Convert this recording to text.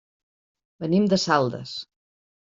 Venim de Saldes.